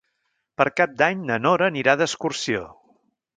Per Cap d'Any na Nora anirà d'excursió.